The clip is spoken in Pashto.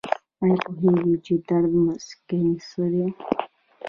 ایا پوهیږئ چې درد مسکن څه دي؟